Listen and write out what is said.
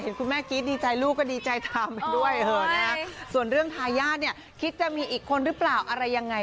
เขาก็เครียดนะมันเหมือนประวัติศาสตร์ซ้ำรอยเลย